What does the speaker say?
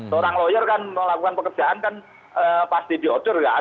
seorang lawyer kan melakukan pekerjaan kan pasti diatur ya